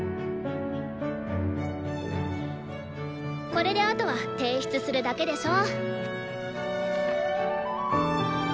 これであとは提出するだけでしょ？